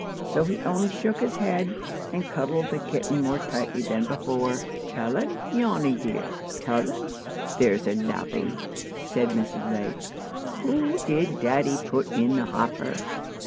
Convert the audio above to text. So he only shook his head, and cuddled the kitten more tightly than before. "Tell un, Janny dear. Tell un, there's a lovey!" said Mrs. Lake. "Who did daddy put in the hopper?"